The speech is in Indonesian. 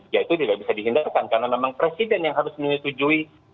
ya itu tidak bisa dihindarkan karena memang presiden yang harus menyetujui